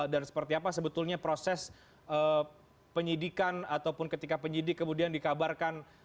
dan seperti apa sebetulnya proses penyidikan ataupun ketika penyidik kemudian dikabarkan